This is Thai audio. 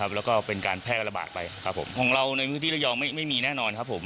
แล้วก็เป็นการแพร่ระบาดไปครับผมของเราในพื้นที่ระยองไม่มีแน่นอนครับผม